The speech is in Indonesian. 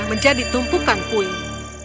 menjadi tumpukan puing